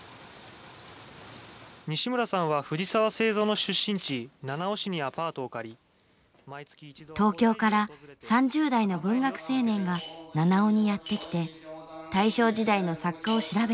西村さんは藤澤造の出身地七尾市にアパートを借り東京から３０代の文学青年が七尾にやって来て大正時代の作家を調べている。